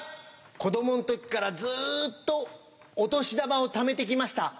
子供の時からずっとお年玉をためて来ました。